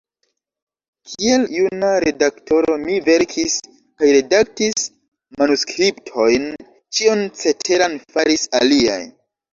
Kiel juna redaktoro mi verkis kaj redaktis manuskriptojn; ĉion ceteran faris aliaj.